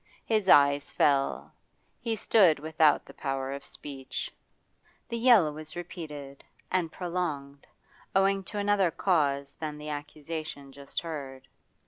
His eyes fell; he stood without the power of speech. The yell was repeated, and prolonged, owing to another cause than the accusation just heard.